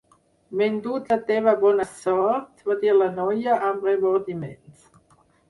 "M'he endut la teva bona sort", va dir la noia amb remordiments.